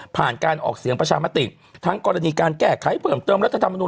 การออกเสียงประชามติทั้งกรณีการแก้ไขเพิ่มเติมรัฐธรรมนุน